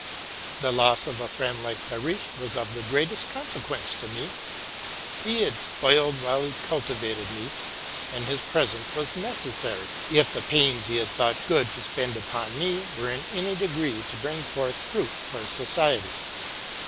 The loss of a friend like Behrisch was of the greatest con sequence tome. He had spoiled while he cultivated me; and his presence was necessary, if the pains he had thought good to spend upon me were in any degree to bring forth fruit for society.